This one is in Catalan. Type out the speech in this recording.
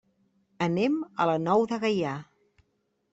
Anem a la Nou de Gaià.